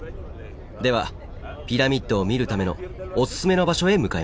ではピラミッドを見るためのおすすめの場所へ向かいましょう。